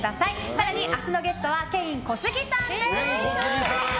更に、明日のゲストはケイン・コスギさんです。